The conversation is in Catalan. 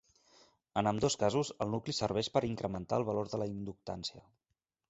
En ambdós casos, el nucli serveix per incrementar el valor de la inductància.